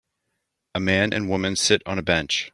A man and woman sit on a bench.